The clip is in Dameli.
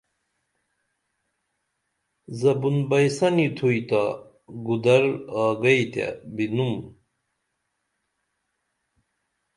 زبُن بئیسنی تھوئی تا گودر آگئی تیہ بِینُم